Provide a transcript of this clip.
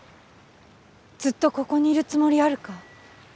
ずっとここにいるつもりあるか？